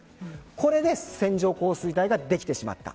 これで線状降水帯ができてしまった。